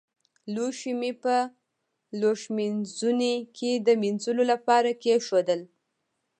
لوښي مې په لوښمینځوني کې د مينځلو لپاره کېښودل.